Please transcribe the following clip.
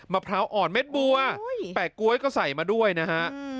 พร้าวอ่อนเม็ดบัวแปะก๊วยก็ใส่มาด้วยนะฮะ